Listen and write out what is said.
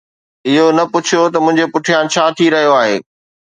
اهو نه پڇو ته منهنجي پٺيان ڇا ٿي رهيو آهي